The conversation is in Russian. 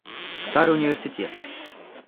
Старый университет.